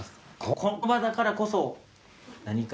この場だからこそ何か。